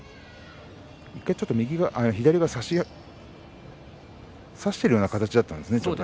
１回ちょっと左を差しているような形だったんですね。